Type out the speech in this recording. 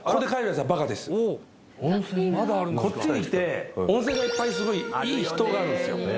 温泉こっちに来て温泉がいっぱいすごいいい秘湯があるんですよ